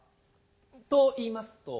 といいますと？